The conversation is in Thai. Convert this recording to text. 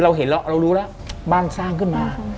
เราเห็นแล้วเรารู้แล้วบ้านสร้างขึ้นมา